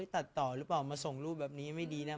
ตัดต่อหรือเปล่ามาส่งรูปแบบนี้ไม่ดีนะ